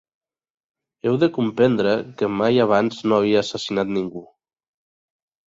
Heu de comprendre que mai abans no havia assassinat ningú.